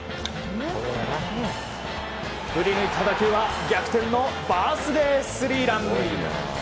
振り抜いた打球は逆転のバースデースリーラン。